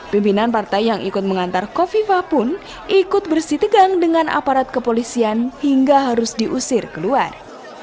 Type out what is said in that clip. pimpinan partai yang ikut mengantar kofifa pun ikut bersih tegang dengan aparat kepolisian hingga harus diusir keluar